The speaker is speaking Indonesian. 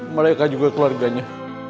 mereka juga keluarganya